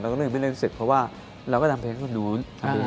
เราก็เลยไม่ได้รู้สึกเพราะว่าเราก็ทำเพลงของนู้น